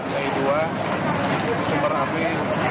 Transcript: lagi dua super api